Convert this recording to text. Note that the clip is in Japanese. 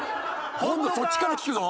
今度そっちから聞くぞ！